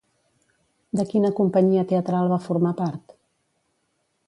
De quina companyia teatral va formar part?